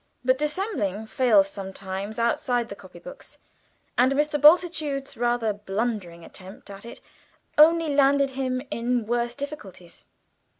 But dissembling fails sometimes outside the copy books, and Mr. Bultitude's rather blundering attempt at it only landed him in worse difficulties.